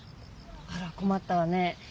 あらこまったわね。